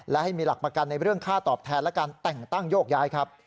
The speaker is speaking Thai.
และให้มีหลักประกันในเรื่องค่าตอบแทนและการแต่งตั้งโยกย้ายครับ